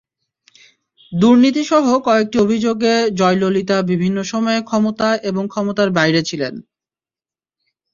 দুর্নীতিসহ কয়েকটি অভিযোগে জয়ললিতা বিভিন্ন সময়ে ক্ষমতা এবং ক্ষমতার বাইরে ছিলেন।